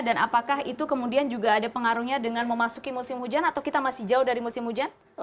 dan apakah itu kemudian juga ada pengaruhnya dengan memasuki musim hujan atau kita masih jauh dari musim hujan